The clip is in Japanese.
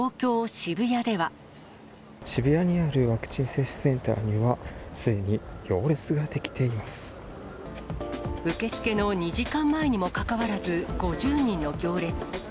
渋谷のワクチン接種センター受け付けの２時間前にもかかわらず、５０人の行列。